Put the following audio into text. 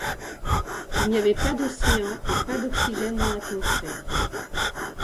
Il n'y avait pas d'océan, et pas d'oxygène dans l'atmosphère.